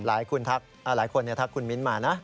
หลายคนเนี่ยทักคุณมิ้นท์มานะ